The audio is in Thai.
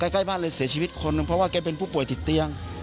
ใกล้บ้านเลยเสียชีวิตคนหนึ่งเพราะว่าแกเป็นผู้ป่วยติดเตียง